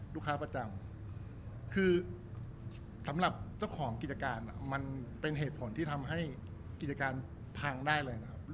ลูกค้าประจำคือสำหรับเจ้าของกิจการมันเป็นเหตุผลที่ทำให้กิจการพังได้เลยนะครับ